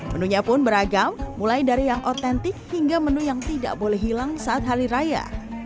menunya pun beragam mulai dari yang otentik hingga menu yang tidak boleh hilang saat hari raya